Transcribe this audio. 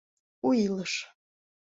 «У ИЛЫШ»